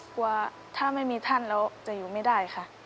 กลัวถ้าไม่มีท่านแล้วจะอยู่ไม่ได้ค่ะ